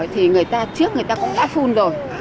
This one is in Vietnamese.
thì trước người ta cũng đã phun rồi